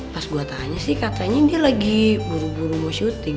pas gue tanya sih katanya dia lagi buru buru mau syuting